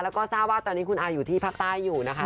แล้วก็ทราบว่าตอนนี้คุณอาอยู่ที่ภาคใต้อยู่นะคะ